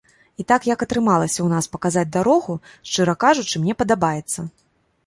І так як атрымалася ў нас паказаць дарогу, шчыра кажучы, мне падабаецца.